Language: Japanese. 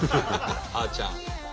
あちゃん。